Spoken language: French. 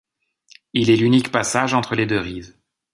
Il est l'unique passage entre les deux rives.